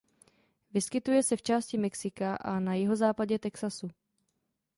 Vyskytuje se v části Mexika a na jihozápadě Texasu.